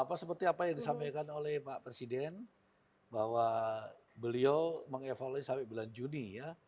apa seperti apa yang disampaikan oleh pak presiden bahwa beliau mengevaluasi sampai bulan juni ya